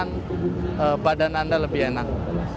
dan merasakan badan anda lebih enak